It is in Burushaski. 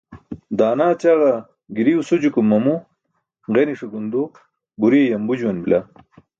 Daana ćaġa giriw sujukum mamu, ġeniśe gundu, buriye yambu juwan bila.